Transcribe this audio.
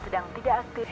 sedang tidak aktif